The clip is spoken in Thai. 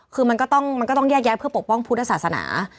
คือมันก็ต้องแยกย้ายเพื่อปกป้องพุทธศาสนา